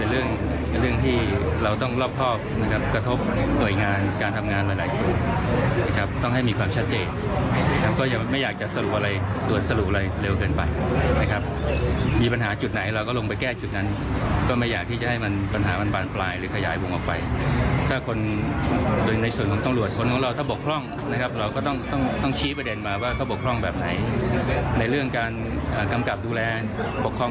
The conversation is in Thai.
เรียนมาว่าเขาปกครองแบบไหนในเรื่องการกำกับดูแลปกครอง